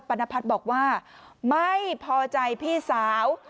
รณพัฒน์บอกว่าไม่พอใจพี่สาว